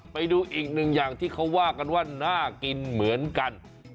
ไปดูอีกหนึ่งอย่างที่เขาว่ากันว่าน่ากินเหมือนกัน